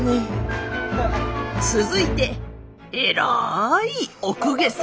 続いて偉いお公家様。